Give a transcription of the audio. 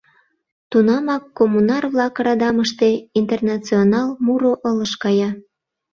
Тунамак коммунар-влак радамыште «Интернационал» муро ылыж кая.